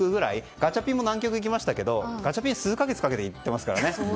ガチャピンも南極行きましたけどガチャピンは数か月かけて行ってますからね。